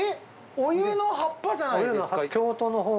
お湯の葉っぱじゃないんですか？